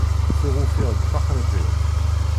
Tuɣ ufiɣ-d taxṛiṭ-iw.